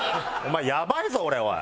やばいぞ俺おい！